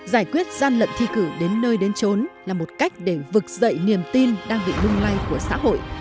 giải quyết gian lận thi cử đến nơi đến trốn là một cách để vực dậy niềm tin đang bị lung lay của xã hội